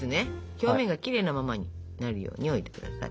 表面がきれいなままになるように置いてください。